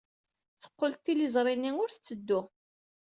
Teqqel tliẓri-nni ur tetteddu.